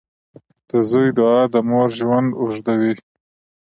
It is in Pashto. • د زوی دعا د مور ژوند اوږدوي.